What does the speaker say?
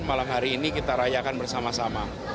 malam hari ini kita rayakan bersama sama